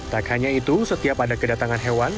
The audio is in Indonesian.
tak hanya itu setiap ada kedatangan hewan